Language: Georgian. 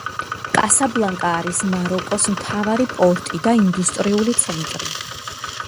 კასაბლანკა არის მაროკოს მთავარი პორტი და ინდუსტრიული ცენტრი.